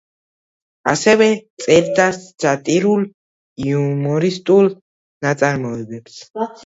ასევე წერდა სატირულ-იუმორისტულ ნაწარმოებებს.